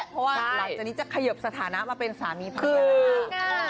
เพราะว่าหลังจากนี้จะขยับสถานะมาเป็นสามีผู้ชม